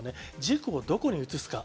軸をどこに移すか。